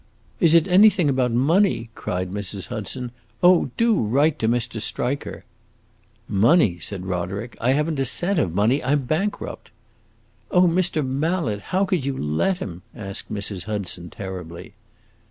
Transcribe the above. "Is it anything about money?" cried Mrs. Hudson. "Oh, do write to Mr. Striker!" "Money?" said Roderick. "I have n't a cent of money; I 'm bankrupt!" "Oh, Mr. Mallet, how could you let him?" asked Mrs. Hudson, terribly.